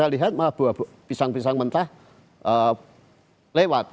lihat bahwa buah pisang pisang mentah lewat